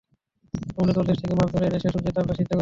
সমুদ্রের তলদেশ থেকে মাছ ধরে এনে সে সূর্যের তাপে তা সিদ্ধ করত।